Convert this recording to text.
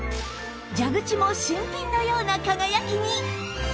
蛇口も新品のような輝きに